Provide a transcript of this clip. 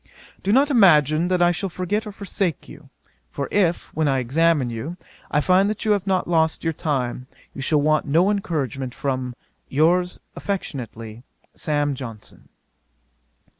'Do not imagine that I shall forget or forsake you; for if, when I examine you, I find that you have not lost your time, you shall want no encouragement from 'Yours affectionately, 'SAM. JOHNSON.'